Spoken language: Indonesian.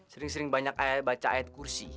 sering sering banyak baca ayat kursi